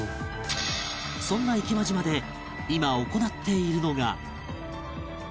そんな池間島で今行っているのが